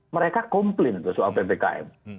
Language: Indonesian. mereka komplain soal ppkm